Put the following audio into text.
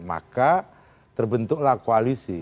maka terbentuklah koalisi